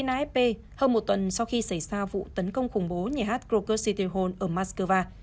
trên afp hơn một tuần sau khi xảy ra vụ tấn công khủng bố nhà hát krokus sitihol ở mắc cơ va